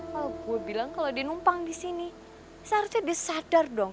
kalau gue bilang kalau dia numpang di sini seharusnya dia sadar dong